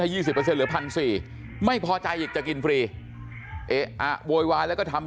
ให้๒๐เหลือ๑๔๐๐บาทไม่พอใจอีกจะกินฟรีบวยวายแล้วก็ทำ